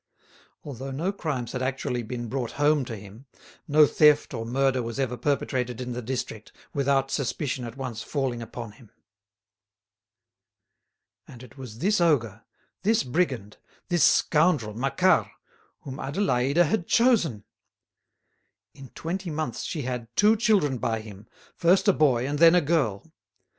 Although no crimes had actually been brought home to him, no theft or murder was ever perpetrated in the district without suspicion at once falling upon him. And it was this ogre, this brigand, this scoundrel Macquart, whom Adélaïde had chosen! In twenty months she had two children by him, first a boy and then a girl.